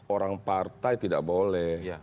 orang partai tidak boleh